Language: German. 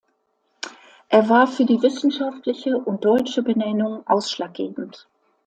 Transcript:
Er war für die wissenschaftliche und deutsche Benennung ausschlaggebend.